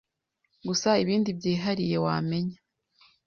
gusa ibindi byihariye wamenya